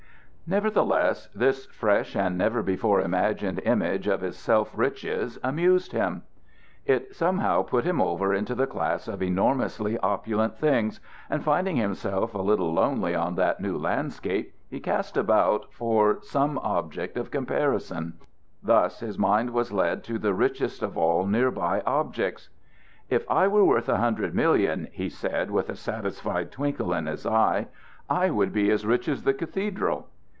Nevertheless, this fresh and never before imagined image of his self riches amused him. It somehow put him over into the class of enormously opulent things; and finding himself a little lonely on that new landscape, he cast about for some object of comparison. Thus his mind was led to the richest of all near by objects. "If I were worth a hundred million," he said, with a satisfied twinkle in his eyes, "I would be as rich as the cathedral."